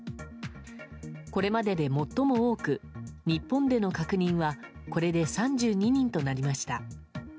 これまでで最も多く日本での確認はこれで３２人となりました。